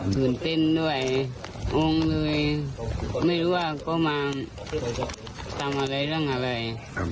ตื่นเต้นด้วยงงเลยไม่รู้ว่าเขามาทำอะไรเรื่องอะไร